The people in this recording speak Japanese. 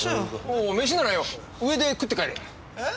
おう飯ならよ上で食って帰れ。